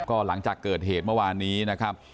ก็หลังจากเกิดเหตุเมื่อวานนี้นะครับ